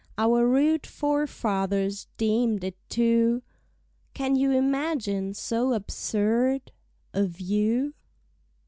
Our rude forefathers deem'd it two: Can you imagine so absurd A view?